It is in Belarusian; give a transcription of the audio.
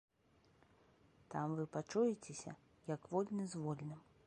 Там вы пачуецеся, як вольны з вольным.